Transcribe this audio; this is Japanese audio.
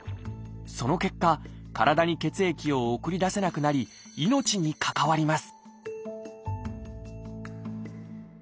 その結果体に血液を送り出せなくなり命に関わります